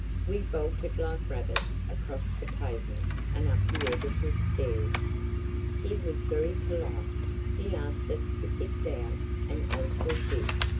We bolted like rabbits across the pavement and up the Editor's stairs. He was very polite. He asked us to sit down, and Oswald did.